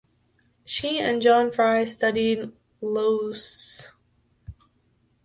She and John Frye studied loess.